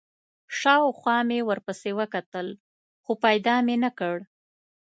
شاوخوا مې ورپسې وکتل، خو پیدا مې نه کړ.